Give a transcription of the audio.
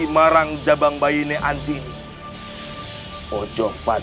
berani yang main keroyokan